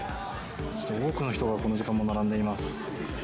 多くの人がこの時間も並んでいます。